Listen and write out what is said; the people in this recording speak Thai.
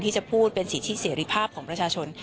ที่จะพูดเป็นสิทธิเสรีภาพของประชาชน